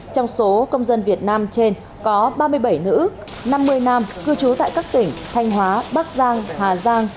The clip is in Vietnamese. trong số công dân việt nam trên có ba mươi bảy nữ năm mươi nam cư trú tại các tỉnh thanh hóa bắc giang hà giang